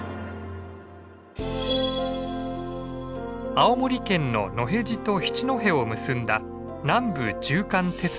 青森県の野辺地と七戸を結んだ南部縦貫鉄道。